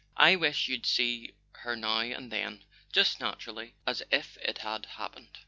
"I wish you'd see her now and then—just naturally, as if it had happened.